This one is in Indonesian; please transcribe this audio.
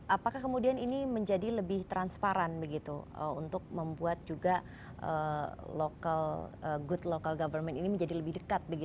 apakah kemudian ini menjadi lebih transparan untuk membuat juga good local government ini menjadi lebih dekat